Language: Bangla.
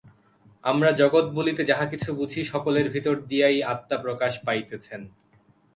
আমরা জগৎ বলিতে যাহা কিছু বুঝি, সকলের ভিতর দিয়াই আত্মা প্রকাশ পাইতেছেন।